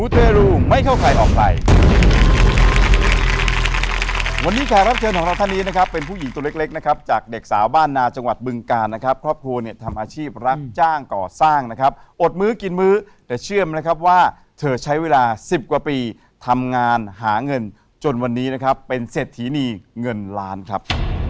เธอใช้เวลา๑๐กว่าปีทำงานหาเงินจนวันนี้นะครับเป็นเสร็จฐีนีเงินล้านครับ